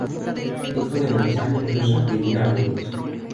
Hijo de Belisario Llosa y Elvira Argüelles.